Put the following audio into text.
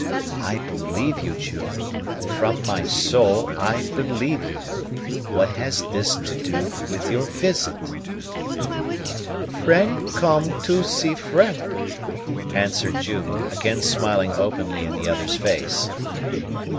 "I believe you, June from my soul I believe you; what has this to do with your visit?" "Friend come to see friend," answered June, again smiling openly in the other's face.